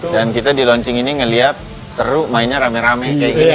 dan kita di launching ini ngelihat seru mainnya rame rame kayak gini ya